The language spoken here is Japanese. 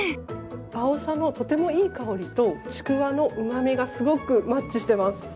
アオサのとてもいい香りとちくわのうまみがすごくマッチしています。